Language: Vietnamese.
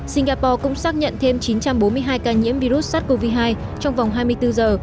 singapore cũng xác nhận thêm chín trăm bốn mươi hai ca nhiễm virus sars cov hai trong vòng hai mươi bốn giờ